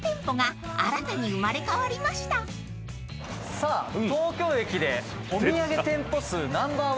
さあ東京駅でお土産店舗数ナンバー１